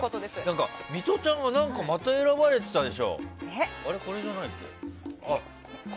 ミトちゃんがまた選ばれてたでしょ。